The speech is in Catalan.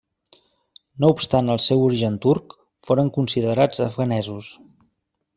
No obstant el seu origen turc, foren considerats afganesos.